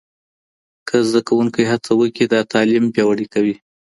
که زده کوونکی هڅه وکړي دا تعليم پياوړی کوي.